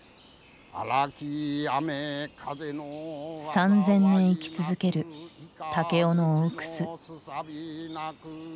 ３，０００年生き続ける武雄の大楠。